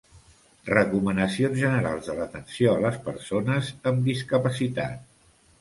Recomanacions generals de l'atenció a les persones amb discapacitat.